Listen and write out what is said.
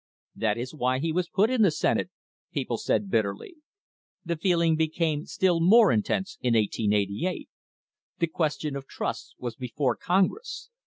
"That is why he was put in the Senate," people said bitterly. The feeling became still more intense in 1888. The question of trusts was before Congress.